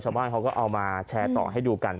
เฉพาะว่าเขาก็เอามาแชร์ต่อให้ดูกัน